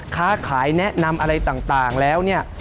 ค้าขายแนะนำอะไรต่างแล้วเนี่ย